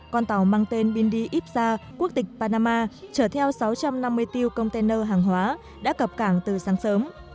con tàu mang tên bindi ipsa quốc tịch panama trở theo sáu trăm năm mươi tiêu container hàng hóa đã cập cảng từ sáng sớm